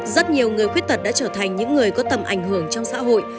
rất nhiều người khuyết tật đã trở thành những người có tầm ảnh hưởng trong xã hội